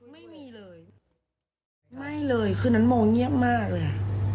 ไม่มีเลยไม่เลยคืนนั้นโมเงียบมากเลย